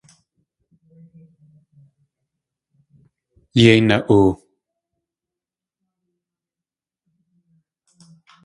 Yéi na.oo!